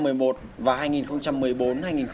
ở mùa giải hai nghìn một mươi hai nghìn một mươi một